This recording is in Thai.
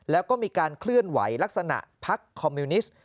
แล้วก็มีการเคลื่อนไหวลักษณะพักคอมมิวนิสต์